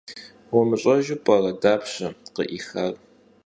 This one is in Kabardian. УмыщӀэжу пӀэрэ, дапщэ къыӀихар?